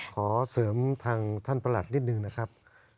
ขอเสริมทางท่านประหลัดนิดนึงนะครับ